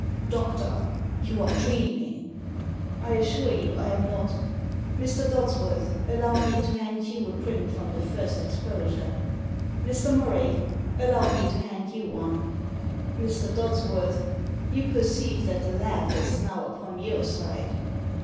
Doctor ! You are dreaming." "I assure you I am not Mr. Dodsworth, allow me to hand you a print from the first exposure. Mr. Murray, allow me to hand you one. Mr. Dodsworth, you perceive that the laugh is now upon your side."